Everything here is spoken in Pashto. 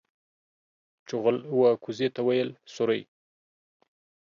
چغول و کوزې ته ويل سورۍ.